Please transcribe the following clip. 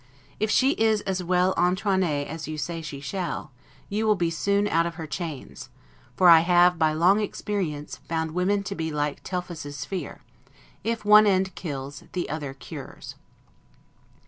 If she is as well 'etrennee' as you say she shall, you will be soon out of her chains; for I have, by long experience, found women to be like Telephus's spear, if one end kills, the other cures.